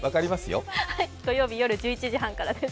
土曜日夜１１時半からです。